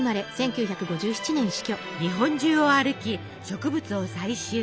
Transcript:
日本中を歩き植物を採集。